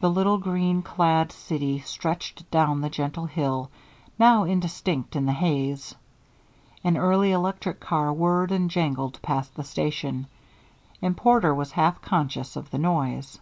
The little green clad city stretched down the gentle hill, now indistinct in the haze. An early electric car whirred and jangled past the station, and Porter was half conscious of the noise.